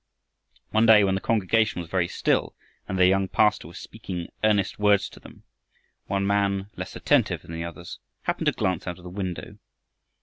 One day when the congregation was very still and their young pastor was speaking earnest words to them, one man less attentive than the others happened to glance out of the window.